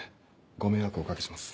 ご迷惑をおかけします。